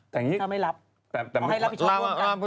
ถ้าไม่รับ